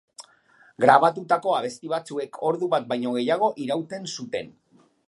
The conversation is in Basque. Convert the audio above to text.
Grabatutako abesti batzuek ordu bat baino gehiago irauten zuten.